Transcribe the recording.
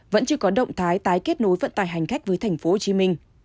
vẫn chưa có động thái tái kết nối vận tải hành khách với tp hcm